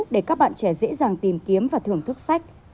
để các bạn trẻ dễ dàng tìm kiếm và thưởng thức sách